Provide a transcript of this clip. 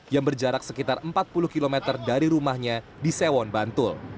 yang berjarak sekitar empat puluh km dari rumahnya di sewon bantul